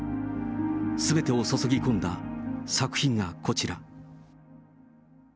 すべてを注ぎ込んだ作品がこちら。